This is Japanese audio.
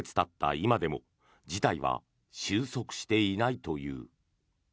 今でも事態は収束していないという。